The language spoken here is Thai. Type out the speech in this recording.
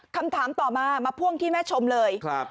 คำถามต่อมามาพ่วงที่แม่ชมเลย